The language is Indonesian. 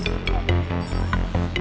kalau bapak nggak pergi nggak ada